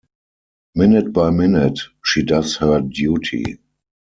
Minute by minute she does her duty.